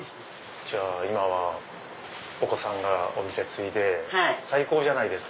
じゃあ今はお子さんがお店継いで最高じゃないですか。